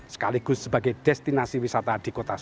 sekaligus sebagai destinasi wisata di kota surabaya